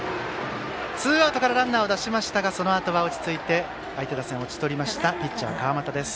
ツーアウトからランナーを出しましたがそのあとは、落ち着いて相手打線を打ち取りましたピッチャー、川又です。